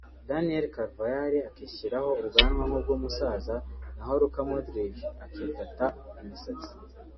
Daniel Carvajal akishyiraho ubwana nk’ubw’umusaza naho Luka Modric akikata imisatsi